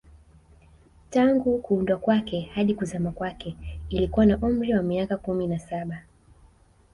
Tangu kuundwa kwake hadi kuzama kwake ilikuwa na umri wa miaka kumi na saba